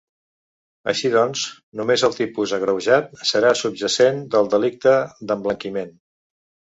Així doncs, només el tipus agreujat serà subjacent del delicte d’emblanquiment.